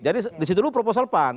jadi disitu dulu proposal pak